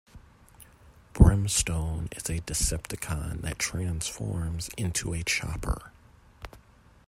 Brimstone is a Decepticon that transforms into a chopper.